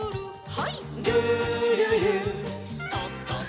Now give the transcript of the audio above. はい。